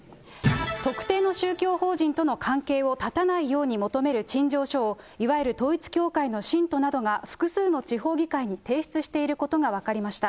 特定の宗教法人との関係を断たないように求める陳情書を、いわゆる統一教会の信徒などが複数の地方議会に提出していることが分かりました。